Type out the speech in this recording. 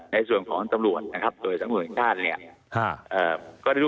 ในส่วนของตำรวจนะครับโดยสังคมประชาชน์เนี่ย